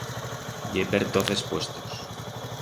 Ye per toz es puestos.